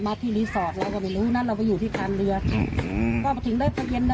ข่าวไปดูบอกนี่ไงรอยกระสุนปืนมันอยู่ที่กำแพงแบบนี้ค่ะ